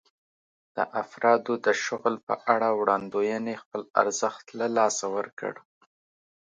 د افرادو د شغل په اړه وړاندوېنې خپل ارزښت له لاسه ورکړ.